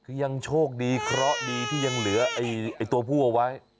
คือยังโชคดีเคราะห์ดีที่ยังเหลือตัวผู้เอาไว้